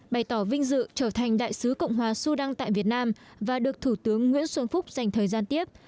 bày tỏ vinh dự trở thành đại sứ cộng hòa sudan tại việt nam và được thủ tướng nguyễn xuân phúc dành thời gian tiếp